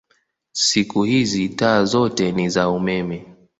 Siku hizi taa zote ni za umeme.